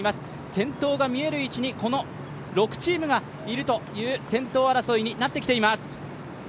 先頭が見える位置にこの６チームがいるという先頭争いになってきています。